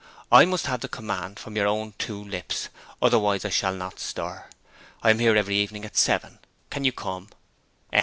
I must have the command from your own two lips, otherwise I shall not stir. I am here every evening at seven. Can you come?